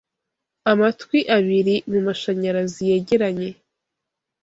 Amatwi abiri mumashanyarazi yegeranye